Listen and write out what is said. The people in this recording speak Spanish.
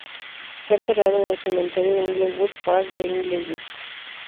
Fue enterrado en el Cementerio Inglewood Park de Inglewood.